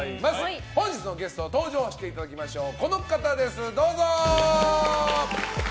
本日のゲストに登場していただきましょう。